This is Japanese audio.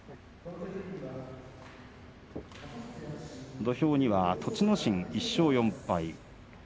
土俵には栃ノ心、１勝４敗。